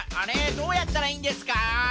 どうやったらいいんですか？